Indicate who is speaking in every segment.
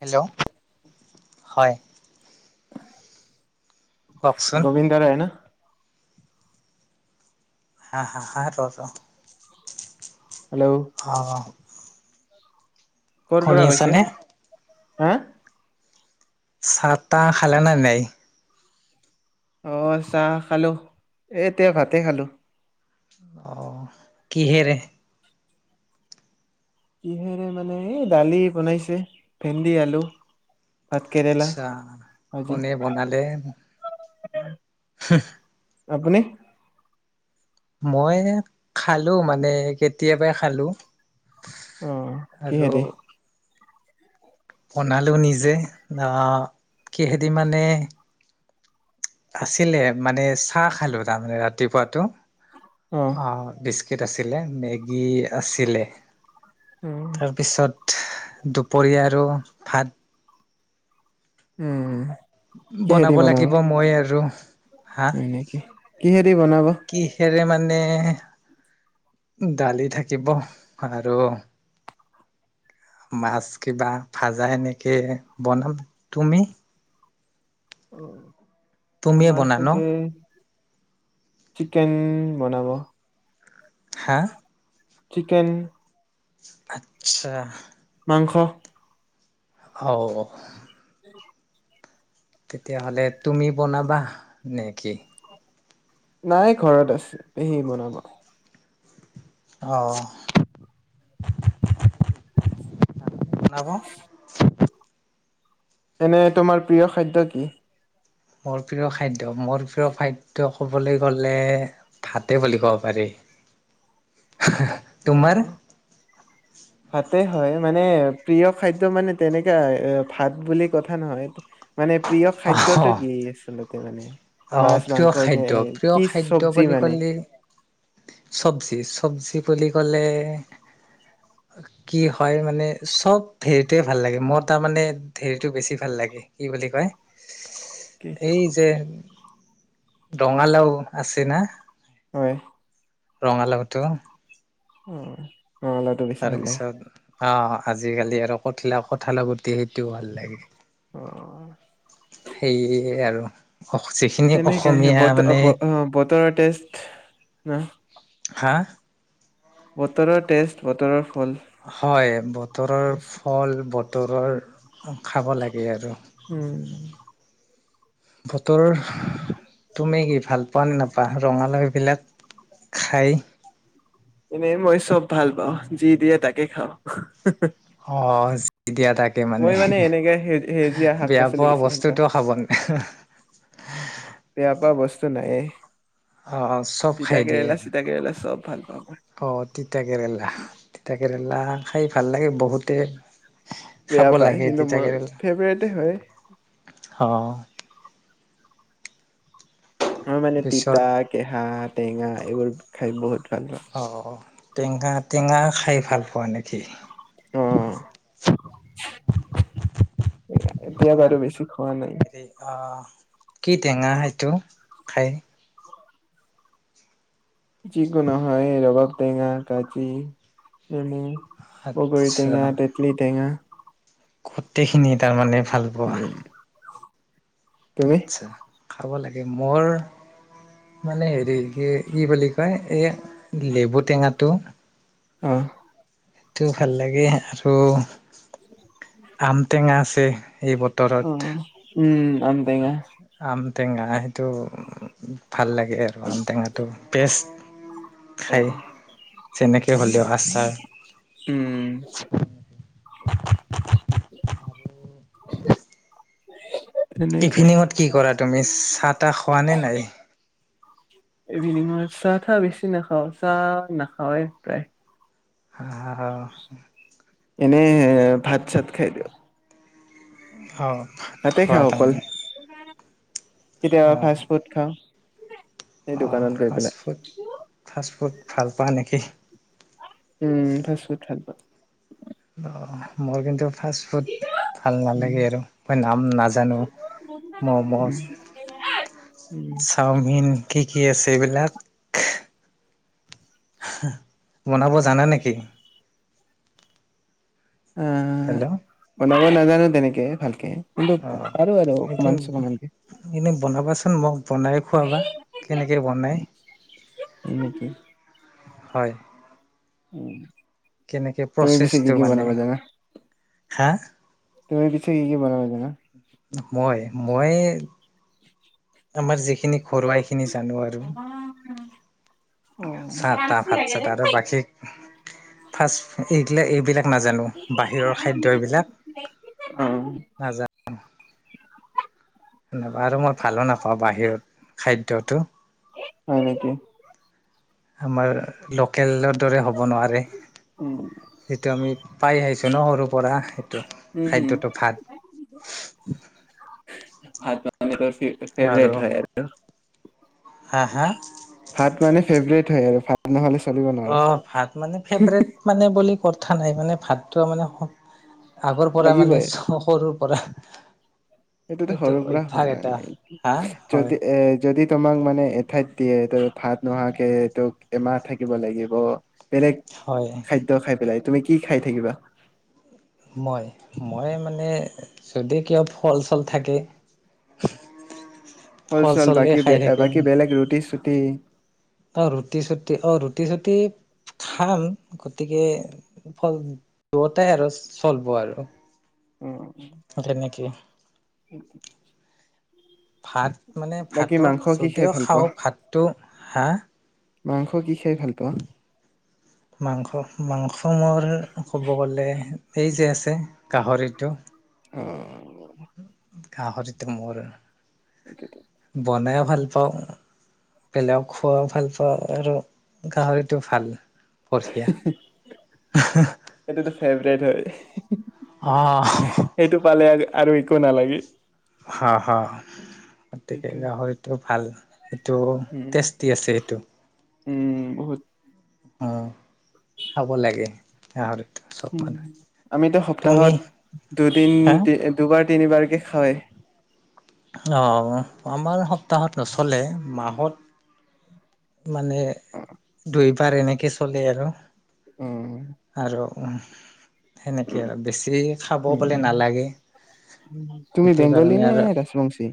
Speaker 1: Hello! হয়। কওকচোন
Speaker 2: গোবিন্দা ৰয় ন'।
Speaker 1: হা! হা! হ! ৰ! ৰ!
Speaker 2: হেল্ল'
Speaker 1: অ শুনি আছ নে?
Speaker 2: হো
Speaker 1: চাহ তাহ খালে নে নাই?
Speaker 2: অ চাহ খালো এতিয়া ভাতে খালো
Speaker 1: অ কিহেৰে?
Speaker 2: কিহেৰে মানে এই দালি বনাইছে ভেন্দি, আলু, ভাত কেৰেলা
Speaker 1: আচছা কোনে বনালে?
Speaker 2: উ [unintelligible]
Speaker 1: হুহ
Speaker 2: আপুনি,
Speaker 1: মই খালো মানে কেতিয়াবাই খালো ।
Speaker 2: অ কিহেদি?
Speaker 1: বনালো নিজে অ কিহেদি মানে, আছিলে মানে চাহ খালো তাৰমানে ৰাতিপুৱাতো অ দিছ আছিলে মেগী আছিলে
Speaker 2: উম
Speaker 1: তাৰপিছত দুপৰীয়া আৰু ভাত
Speaker 2: উম
Speaker 1: বনাব লাগিব মই আৰু হা
Speaker 2: হয় নেকি কিহেৰি বনাব?
Speaker 1: কিহেৰে মানে দালি থাকিব আৰু মাছ কিবা ভাজা এনেকে বনাম তুমি?
Speaker 2: উম
Speaker 1: তুমিয়ে
Speaker 2: আমাৰ
Speaker 1: বনা ন
Speaker 2: চাগে চিকেন বনাব
Speaker 1: হা
Speaker 2: চিকেন
Speaker 1: আচ্ছা
Speaker 2: মাংস
Speaker 1: অ
Speaker 2: উ
Speaker 1: তেতিয়াহ'লে তুমি বনাবা নে কি?
Speaker 2: নাই ঘৰত আছে পেহী বনাব,
Speaker 1: অহ আৰু
Speaker 2: এনে তোমাৰ প্ৰিয় খাদ্য কি?
Speaker 1: মোৰ প্ৰিয় খাদ্য মোৰ প্ৰিয় খাদ্য ক'বলৈ গ'লে ভাতে বুলি ক'ব পাৰি‌। [unintelligible] তোমাৰ?
Speaker 2: অ ভাতে হয় মানে প্ৰিয় খাদ্যয় মানে তেনেকা এ ভাত বুলি কথা নহয়। মানে প্ৰিয়
Speaker 1: অ
Speaker 2: খাদ্যটো কি আচলতে ত মানে
Speaker 1: অ
Speaker 2: মাছ,
Speaker 1: প্ৰিয়
Speaker 2: মাংস কে
Speaker 1: খাদ্য প্ৰিয়
Speaker 2: কি
Speaker 1: খাদ্য
Speaker 2: চব্জি
Speaker 1: বুলি
Speaker 2: মানে?
Speaker 1: কলে চব্জিব চবজি বুলি কলে, কি হয় মানে চব হেৰিটোয়ে ভাল লাগে। মই তাৰ মানে হেৰিটো বেছি ভাল লাগে কি বুলি কয়?
Speaker 2: কি?
Speaker 1: এই যে ৰঙালাও আছে ন।
Speaker 2: হয়।
Speaker 1: ৰঙালটো।
Speaker 2: উম। অ ৰঙালাওটো বেছি ভাল লাগে
Speaker 1: অ আজিকালি আৰু কঠলা কঠালা গুতি সেইটোও ভাল লাগে।
Speaker 2: অ।
Speaker 1: সেয়ে আৰু। যিখিনি
Speaker 2: সেনেকাইে
Speaker 1: অসমীয়া
Speaker 2: বতৰ
Speaker 1: মানে
Speaker 2: বতৰৰ টেষ্ট হা
Speaker 1: হা?
Speaker 2: বতৰৰ টেষ্ট বতৰৰ ফল।
Speaker 1: হয় বতৰৰ ফল বত তৰৰ। খাব লাগে আৰু।
Speaker 2: উম
Speaker 1: বতৰ তুমি কি ভাল পোৱা নে নাপা ৰঙালৈবিলাক খাই?
Speaker 2: এনেই মই চব ভাল পাওঁ যি দিয়ে তাকে খাওঁ।
Speaker 1: অ।
Speaker 2: মই মানে এনেকে সেউজীয়া শাক
Speaker 1: বেয়া
Speaker 2: পাচলি
Speaker 1: পোৱা
Speaker 2: বেছি ভাল পাওঁ।
Speaker 1: বস্তুটো খাব ন
Speaker 2: বেয়া পোৱা বস্তু নায়েই।
Speaker 1: অ অ চব খাই দিয়ে
Speaker 2: চিতা কেৰেলা চব ভাল পাওঁ মই
Speaker 1: অ তিতা কেৰেলা তিতা কেৰেলা খাই ভাল লাগে বহুতে
Speaker 2: বেয়া
Speaker 1: খাব
Speaker 2: পায়
Speaker 1: লাগে
Speaker 2: কিন্তু
Speaker 1: তিতা
Speaker 2: মোৰ
Speaker 1: কেৰেলা
Speaker 2: ফেভৰেতে হয়।
Speaker 1: অ।
Speaker 2: অ মানে
Speaker 1: পিছত
Speaker 2: তিতা কেহাত টেঙা এইবোৰ খাই বহুত ভাল পাওঁ
Speaker 1: অ। টেঙা টেঙা খাই ভাল পোৱা নেকি?
Speaker 2: উম। এতিয়া
Speaker 1: টেঙা
Speaker 2: বাৰু বেছি খোৱা নাই।
Speaker 1: হেৰি অ কি টেঙা সেইটো? খায়
Speaker 2: যিকোনো হয়, ৰবাব টেঙা, কাজি, নেমু। বগৰী
Speaker 1: আচ্ছা
Speaker 2: টেঙা, তেঁতেলী টেঙা
Speaker 1: গোটেইখিনি তাৰমানে ভাল পোৱা।
Speaker 2: উম তুমি
Speaker 1: আচ্ছা। খাব লাগে। মোৰ, মানে হেৰি কি-কি বুলি কয়, এই লেবু টেঙাটো
Speaker 2: অ'।
Speaker 1: সেইটোও ভাল লাগে আৰু। আম টেঙা তে
Speaker 2: অ' উম। আম টেঙা
Speaker 1: আম টেঙা টো ভাল লাগে আৰু, আমটেঙাটো পেষ্ট
Speaker 2: অ
Speaker 1: খাই যেনেকে হ'লেও, আচাৰ।
Speaker 2: উম [unintelligible]
Speaker 1: ইভিনিঙত কি কৰা? তুমি চাত এটা খোৱা নে নাই?
Speaker 2: ইভিনিঙত চাহ-তাহ বেছি নাখাও, চাহ নাখাৱেই প্ৰায়।
Speaker 1: [unintelligible]
Speaker 2: এনে ভাত-চাত খাই দিওঁ।
Speaker 1: অ'
Speaker 2: তাতে
Speaker 1: খোৱা
Speaker 2: খাওঁ অকল।
Speaker 1: তাৰমানে অ
Speaker 2: কেতিয়াবা ফাষ্টফুড খাওঁ। এই দোকানত
Speaker 1: অ'
Speaker 2: গৈ পেলাই
Speaker 1: ফাষ্টফুড, ফাষ্টফুড। ভাল পোৱা নেকি?
Speaker 2: উম ফাষ্টফুড ভাল পাওঁ।
Speaker 1: অ' মই কিন্তু ফাষ্টফুড ভাল
Speaker 2: উম
Speaker 1: নালাগে আৰু। মই নাম নাজানো, মম',
Speaker 2: উম উম
Speaker 1: চাওমিন কি কি আছে এইবিলাক? বনাব জানা নেকি?
Speaker 2: অ'
Speaker 1: হেল্ল'
Speaker 2: বনাব নাজানো তেনেকে। কে ভালকে কিন্তু
Speaker 1: অ
Speaker 2: পাৰো আৰু
Speaker 1: এইটো
Speaker 2: অকমান চকমানকে
Speaker 1: এনে বনাবাচোন মোক বনাই খুৱাবা কেনেকে বনাই
Speaker 2: এনেকে
Speaker 1: হয়
Speaker 2: অ
Speaker 1: কেনেকে প্ৰচেছটো মানে হা
Speaker 2: তুমি পিছে কি কি বনাব জানা
Speaker 1: মই মই আমাৰ যিখিনি ঘৰুৱাই খিনি জানো আৰু
Speaker 2: অ
Speaker 1: চাহ তাহ ভাত চাত আৰু বাকী ফাষ্ট এইবিলাক এইবিলাক নাজানো বাহিৰৰ খাদ্য এইবিলাক নাজানো
Speaker 2: [unintelligible]
Speaker 1: নেবা আৰু মই ভালো নাপাওঁ বাহিৰত খাদ্যটো
Speaker 2: হয় নেকি
Speaker 1: আমাৰ লোকেলত দৰে হ'ব নোৱাৰে
Speaker 2: উম
Speaker 1: সেইটো আমি পাই আহিছোঁ যেনো সৰু পৰা
Speaker 2: উম
Speaker 1: খাদ্যটো ভাত
Speaker 2: হাত পান [unintelligible] ফে
Speaker 1: আৰু
Speaker 2: ফেভৰেট হয় আৰু
Speaker 1: হা হা
Speaker 2: ভাত মানে ফেভৰেট হয় আৰু ভাত নহ'লে চলিব
Speaker 1: অ
Speaker 2: নোৱাৰা
Speaker 1: ভাত মানে ফেভৰেট মানে বুলি কথা নাই মানে ভাত ত মানে আগৰ পৰা
Speaker 2: লাগিবই
Speaker 1: মানে
Speaker 2: আৰু
Speaker 1: সৰুৰ পৰা [inaudible]
Speaker 2: সেইটোতো
Speaker 1: এইটো
Speaker 2: সৰু পৰা
Speaker 1: অভ্যাস
Speaker 2: হয়
Speaker 1: এটা হা
Speaker 2: নাই
Speaker 1: হয়
Speaker 2: যদি এ যদি তোমাক মানে এঠাইত দিয়ে ত ভাত নোহোৱাকে তোক এমাহ থাকিব লাগিব বেলেগ
Speaker 1: হয়
Speaker 2: খাদ্য খাই পেলাই তুমি কি খাই থাকিবা
Speaker 1: মই মই মানে যদি কিবা ফল চল থাকে
Speaker 2: ফল চল
Speaker 1: চলে
Speaker 2: বাকী
Speaker 1: খাই থাকিম
Speaker 2: বাকী বেলেগ ৰুটি চু তেই
Speaker 1: অ ৰুটি চুটি অ ৰুটি চুটি খাম গতিকে ফ দুয়োটাই আৰু চলিব আৰু
Speaker 2: উম
Speaker 1: তেনেকে
Speaker 2: সেইটো
Speaker 1: ভাত মানে ভাতক
Speaker 2: মাংস কি খাই
Speaker 1: যদিও
Speaker 2: ভাল
Speaker 1: খাওঁ ভাতটো হাঁ
Speaker 2: মংস কি? খাই ভাল পোৱা
Speaker 1: মাংস মাংস মোৰ ক'ব গলে এই যে আছে গাহৰিটো
Speaker 2: অঁ
Speaker 1: গাহৰিতো মোৰ
Speaker 2: এইটোতো
Speaker 1: বনে ভাল পাওঁ বেলেগ খোৱা ভাল পাওঁ আৰু গাহৰিটো ভাল বৰহিয়া আ হা
Speaker 2: এইটোতো ফেভৰেট হয়।
Speaker 1: আহ
Speaker 2: সেইটো পালে আৰু একো নালাগে
Speaker 1: হ হা গতিকে
Speaker 2: সেইটো
Speaker 1: গাহৰিটো ভাল এইটো
Speaker 2: উম
Speaker 1: টেষ্টি আছে এইটো
Speaker 2: উম বহুত
Speaker 1: অ খাব লাগে গাহৰি
Speaker 2: উ আমিতো সপ্তাহত দুদিন
Speaker 1: হা
Speaker 2: দুবাৰ তিনিবাৰকে হয়।
Speaker 1: আমাৰ সপ্তাহত নচলে মাহত মানে দুইবাৰ এনেকে চলে আৰু
Speaker 2: উম
Speaker 1: অ সেনেকেই আৰু বেছি খাব বলে
Speaker 2: উম
Speaker 1: নালাগে
Speaker 2: তুমি
Speaker 1: সেইটো
Speaker 2: বেংগলী
Speaker 1: কাৰণে
Speaker 2: নে
Speaker 1: আৰু
Speaker 2: ৰাজবংশী?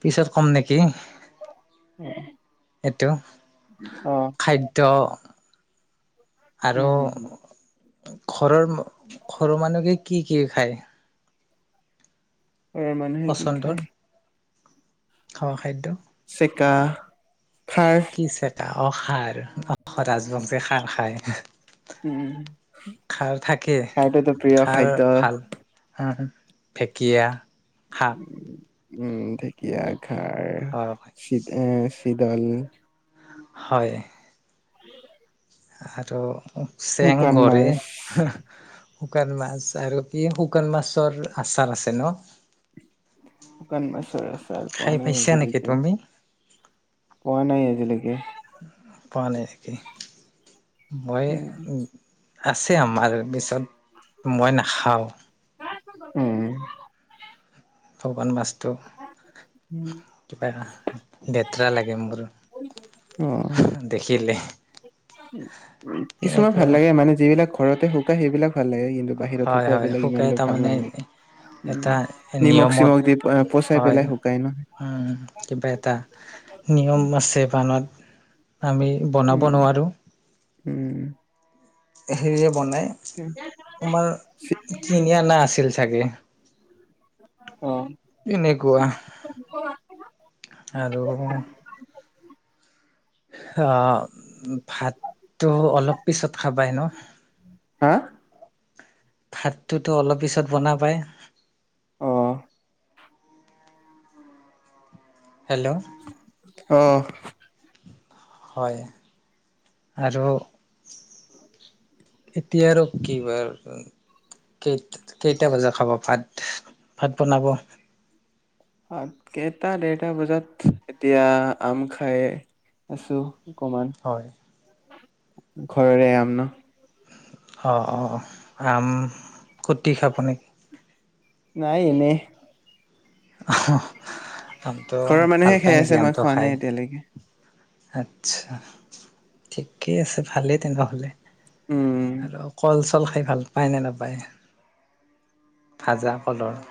Speaker 1: পিছত কম নেকি,
Speaker 2: এ হে
Speaker 1: এইটো খাদ্য আৰু
Speaker 2: উম হম হম
Speaker 1: ঘৰৰ সৰু মানুহ কি, কি কি খায়?
Speaker 2: ইয়াৰ মানুহে কি
Speaker 1: পচন্দৰ
Speaker 2: খায়?
Speaker 1: খোৱা খাদ্য
Speaker 2: চিকা
Speaker 1: কিছেট আপ অ খাৰ অ ৰাজবংশী খাৰ খায়
Speaker 2: উম
Speaker 1: খাৰ থাকে
Speaker 2: সেইটোটো প্ৰিয় খাদ্য ।
Speaker 1: ফেকীয়া। হাক ।
Speaker 2: উম ঢেঁকীয়া। [unintelligible]
Speaker 1: হয়
Speaker 2: শি দালি [unintelligible]
Speaker 1: হয়।
Speaker 2: উ [inaudible]
Speaker 1: আৰু? চেংঘৰে।
Speaker 2: মাছ।
Speaker 1: শুকান মাছ! আৰু কি শুকান মাছৰ আচাৰ আছে ন?
Speaker 2: শুকান মছৰ আচাৰ পোৱা
Speaker 1: খাই
Speaker 2: নাই
Speaker 1: পাইছা
Speaker 2: আজি
Speaker 1: নেকি
Speaker 2: লৈকে।
Speaker 1: তুমি?
Speaker 2: পোৱা নাই আজিলৈকে।
Speaker 1: পানেকে [inaudible] মই।
Speaker 2: উম
Speaker 1: আছে আমাৰ পিছত মই নাখাওঁ।
Speaker 2: উম।
Speaker 1: শুকান মাছ। তো কিবা লেতেৰা লাগে মোৰ।
Speaker 2: অ।
Speaker 1: দেখিলে।
Speaker 2: কিছুমান ভাল
Speaker 1: তেনেকুৱা
Speaker 2: লাগে মানে যিবিলাক। ঘৰতে শুকাই সেইবিলাক। ভাল লাগে কিন্তু বাহিৰত
Speaker 1: হয় হয়,
Speaker 2: শুকোৱাবিলাক ইমান
Speaker 1: শুকাই
Speaker 2: ভাল
Speaker 1: তাৰমানে
Speaker 2: নালাগে। উম
Speaker 1: এটা
Speaker 2: নিমখ
Speaker 1: নিয়মত,
Speaker 2: চিমখ দি পচাই
Speaker 1: হয়
Speaker 2: পেলাই শুকাই ন
Speaker 1: উম কিবা এটা নিয়ম আছে বানত। আমি বনাব
Speaker 2: উম
Speaker 1: নোৱাৰো।
Speaker 2: উম।
Speaker 1: সেৰি। বনাই তোমাৰ কিনি অনা আছিল। তাকে ।
Speaker 2: উ [inaudible]
Speaker 1: এনেককুৱা আৰু। অ, ভাতটো অলপ পিছত খাবাই ন?
Speaker 2: হা।
Speaker 1: ভাতটোতো অলপ পিছত বনাবাই
Speaker 2: আহ।
Speaker 1: হেল্ল'।
Speaker 2: আহ।
Speaker 1: হয় আৰু এতিয়া আৰু কেইটা বজাত খাব ভাত ভাত বনাব।
Speaker 2: অ, এতা দেৰটা বজাত এতিয়া আম খাই আছো। অকমান
Speaker 1: হয়
Speaker 2: ঘৰৰে আম ন
Speaker 1: অ অ আম কুটি খাব নেকি
Speaker 2: নাই এনেই
Speaker 1: আহ হা
Speaker 2: ঘৰৰ মানুহে খাই আছে মই
Speaker 1: আমটো
Speaker 2: খোৱা
Speaker 1: খাই
Speaker 2: নাই এতিয়ালৈকে
Speaker 1: আচ্ছা ঠিকে আছে ভালেই তেনেহলে
Speaker 2: উম
Speaker 1: আৰু কলচ চল খাই ভাল পায় নে নাপায় ভাজা কলৰ